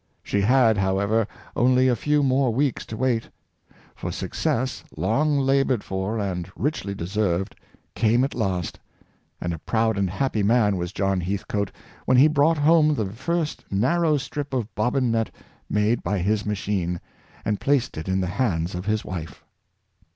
She had, however, only a few more weeks to wait; for success, long labored for and richly deserved, came at last; and a proud and happy man was John Heathcoat when he brought home the first narrow strip of bobbin net made by his machine, and placed it in the hands of his wife.